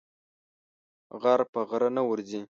غر په غره نه ورځي.